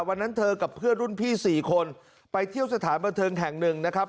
วันนั้นเธอกับเพื่อนรุ่นพี่๔คนไปเที่ยวสถานบันเทิงแห่งหนึ่งนะครับ